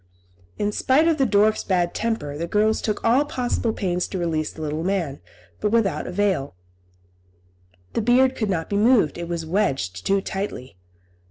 In spite of the dwarf's bad temper, the girls took all possible pains to release the little man, but without avail; the beard could not be moved, it was wedged too tightly.